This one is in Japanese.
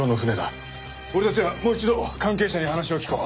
俺たちはもう一度関係者に話を聞こう。